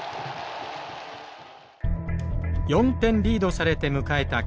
４点リードされて迎えた